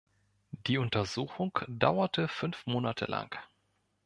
Die Untersuchung dauerte fünf Monate lang.